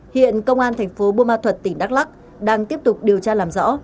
hiện công an thành phố bumma thuật tỉnh đắk lắc đang tiếp tục điều tra làm rõ